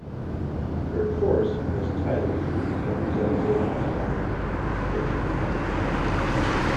Her courses were titled Representative Modern Fiction.